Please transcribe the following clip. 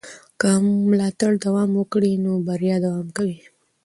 که ملاتړ دوام وکړي نو بریا دوام کوي.